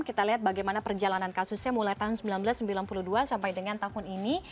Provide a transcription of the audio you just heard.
kita lihat bagaimana perjalanan kasusnya mulai tahun seribu sembilan ratus sembilan puluh dua sampai dengan tahun ini